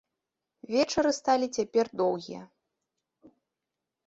Вечары сталі цяпер доўгія.